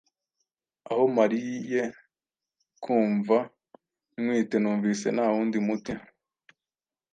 Aho mariye kumva ntwite numvise nta wundi muti